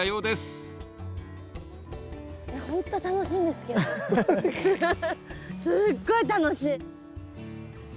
すっごい楽しい！